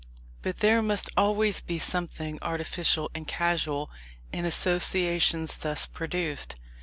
But there must always be something artificial and casual in associations thus produced.